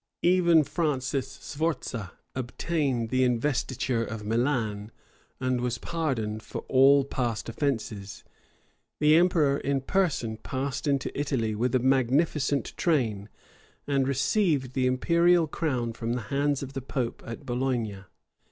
Even Francis Sforza obtained the investiture of Milan, and was pardoned for all past offences. The emperor in person passed into Italy with a magnificent train, and received the imperial crown from the hands of the pope at Bologna.